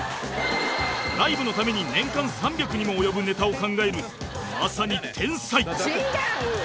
ライブのために年間３００にも及ぶネタを考えるまさに天才